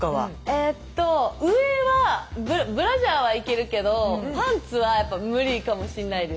えっと上はブラジャーはいけるけどパンツはやっぱムリかもしんないです。